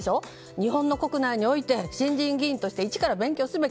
日本の国会議員において新人議員として一から勉強すべき。